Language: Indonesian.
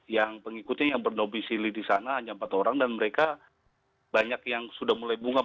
yang pengikutnya yang berdomisili di sana hanya empat orang dan mereka banyak yang sudah mulai bunga